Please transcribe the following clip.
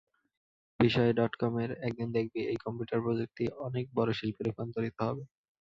বিষয় ডটকমের, একদিন দেখবি, এই কম্পিউটার প্রযুক্তি অনেক বড় শিল্পে রুপান্তরিত হবে।